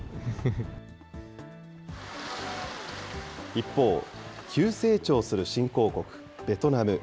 一方、急成長する新興国、ベトナム。